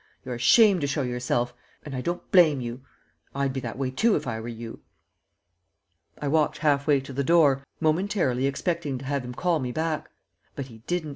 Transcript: You're ashamed to show yourself and I don't blame you. I'd be that way too if I were you." I walked half way to the door, momentarily expecting to have him call me back; but he didn't.